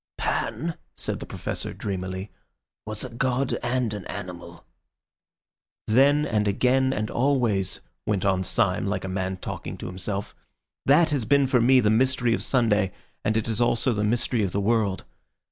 "Pan," said the Professor dreamily, "was a god and an animal." "Then, and again and always," went on Syme like a man talking to himself, "that has been for me the mystery of Sunday, and it is also the mystery of the world.